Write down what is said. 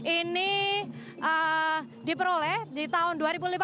ini diperoleh di tahun dua ribu lima belas